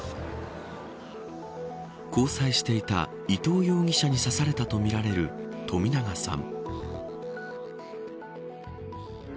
交際していた伊藤容疑者に刺されたとみられる冨永さん。